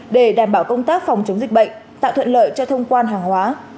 để đảm bảo công tác phòng chống dịch bệnh tạo thuận lợi cho thông quan hàng hóa